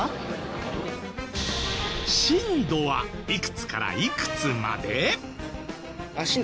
震度はいくつからいくつまで？